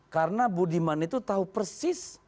karena budiman itu tahu persis